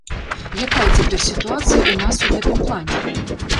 Якая цяпер сітуацыя ў нас у гэтым плане?